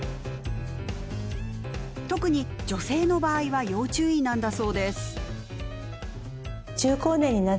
特に女性の場合は要注意なんだそうです。